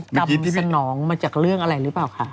กินสนองมาจากเรื่องอะไรหรือเปล่าคะ